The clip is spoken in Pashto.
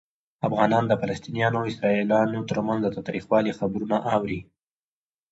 افغانان د فلسطینیانو او اسرائیلیانو ترمنځ د تاوتریخوالي خبرونه اوري.